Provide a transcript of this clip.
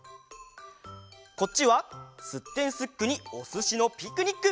こっちは「すってんすっく！」に「おすしのピクニック」。